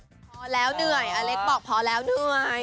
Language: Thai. พอแล้วเหนื่อยอเล็กบอกพอแล้วเหนื่อย